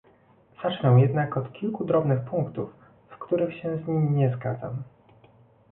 Zacznę jednak od kilku drobnych punktów, w których się z nim nie zgadzam